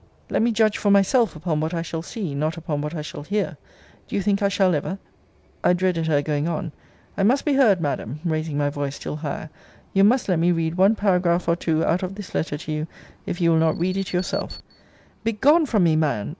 Let me judge for myself, upon what I shall see, not upon what I shall hear. Do you think I shall ever? I dreaded her going on I must be heard, Madam, (raising my voice still higher,) you must let me read one paragraph or two out of this letter to you, if you will not read it yourself Begone from me, Man!